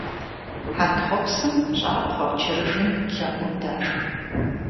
Хьэнтхъупсым щӀакхъуэ, чыржын, лэкъум дашх.